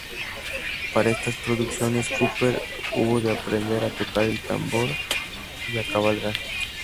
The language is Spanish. Para estas producciones Cooper hubo de aprender a tocar el tambor y a cabalgar.